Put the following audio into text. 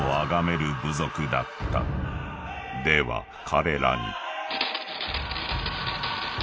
［では彼らに］